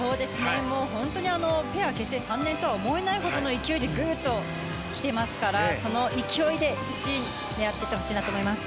本当にペア結成３年とは思えないほどの勢いでぐっと来てますからその勢いで、１位を狙っていってほしいなと思います。